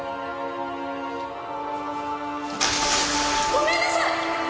ごめんなさい！